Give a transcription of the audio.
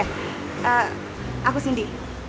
hmm aku cindy